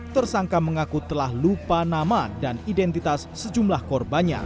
tersangka mengaku telah lupa nama dan identitas sejumlah korbannya